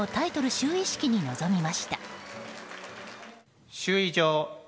就位式に臨みました。